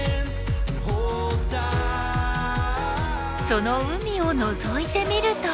その海をのぞいてみると。